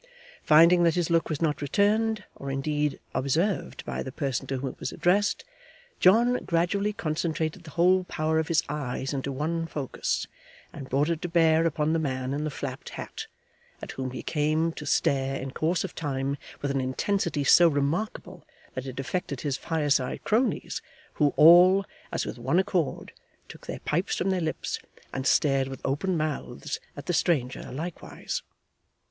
Finding that his look was not returned, or indeed observed by the person to whom it was addressed, John gradually concentrated the whole power of his eyes into one focus, and brought it to bear upon the man in the flapped hat, at whom he came to stare in course of time with an intensity so remarkable, that it affected his fireside cronies, who all, as with one accord, took their pipes from their lips, and stared with open mouths at the stranger likewise.